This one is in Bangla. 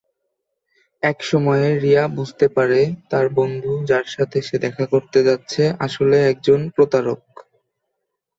এক সময়ে "রিয়া" বুঝতে পারে তার বন্ধু, যার সাথে সে দেখা করতে যাচ্ছে, আসলে একজন প্রতারক।